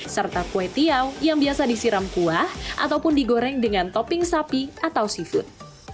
serta kue tiau yang biasa disiram kuah ataupun digoreng dengan topping sapi atau seafood